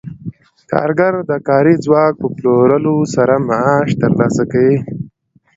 کارګر د کاري ځواک په پلورلو سره معاش ترلاسه کوي